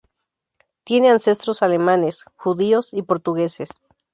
Tiene ancestros alemanes, judíos y portugueses.